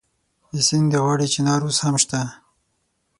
د سیند د غاړې چنار اوس نشته